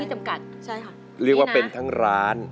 ใช่ค่ะเรียกว่าเป็นทั้งร้าน